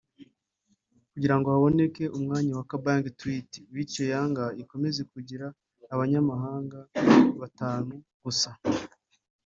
kugira ngo haboneke umwanya wa Kabange Twite bityo Yanga ikomeza kugira abanyamhanga batanu gusa